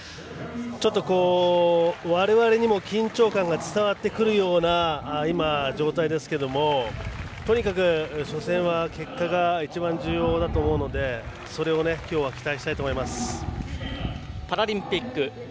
ちょっと、我々にも緊張感が伝わってくるような状態ですけども、とにかく初戦は結果が一番重要だと思うのでそれを、今日は期待したいと思います。